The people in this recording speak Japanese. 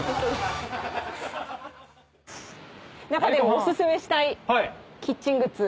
中でもお薦めしたいキッチングッズ